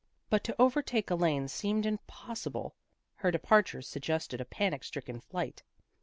But to overtake Elaine seemed impossible. Her departure suggested a panic stricken flight.